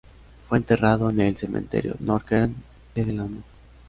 Fue enterrado en el Cementerio North Kern de Delano.